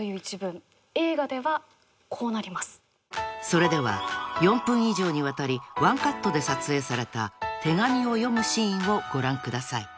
［それでは４分以上にわたり１カットで撮影された手紙を読むシーンをご覧ください］